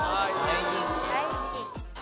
大好き。